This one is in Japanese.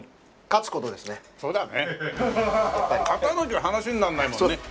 勝たなきゃ話になんないもんね。